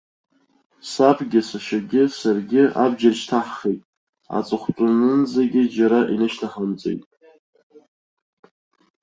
Сабгьы, сашьагьы, саргьы абџьар шьҭаҳхит, аҵыхә-тәанынӡагьы џьара инышьҭаҳамҵеит.